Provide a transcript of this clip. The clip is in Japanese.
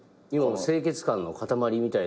清潔感の塊みたいな。